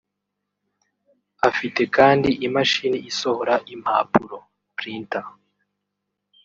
Afite kandi imashini isohora impapuro ( Printer)